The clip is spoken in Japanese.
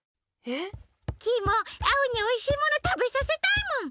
えっ？キイもアオにおいしいものたべさせたいもん。